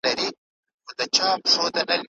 علمي ټولنې بايد خپلواکي وي.